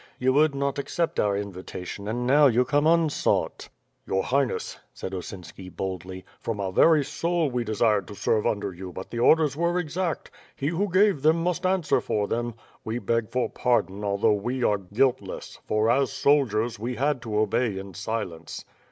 "You would not accept our invitation and now you come unsought," "Your Highness," said Osinski, boldly, "from our very soul, we desired to serve under you but the orders were exact. He who gave them must answer for them. We beg for pardon although we are guiltless, for, as soldiers, we had to obey in silence."